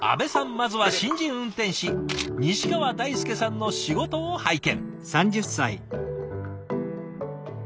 まずは新人運転士西川大輔さんの仕事を拝見。